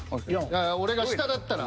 俺が下だったら。